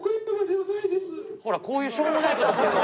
ほらこういうしょうもない事するの。